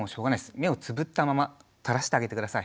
目をつぶったまま垂らしてあげて下さい。